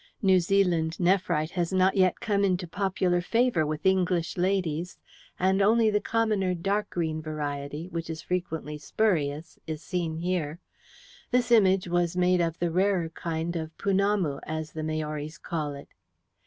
New Zealand nephrite has not yet come into popular favour with English ladies, and only the commoner dark green variety, which is frequently spurious, is seen here. This image was made of the rarer kind of pounamu, as the Maoris call it."